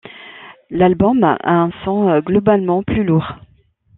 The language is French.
L'album a un son globalement plus lourd.